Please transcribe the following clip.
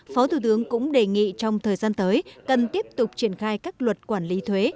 phó thủ tướng cũng đề nghị trong thời gian tới cần tiếp tục triển khai các luật quản lý thuế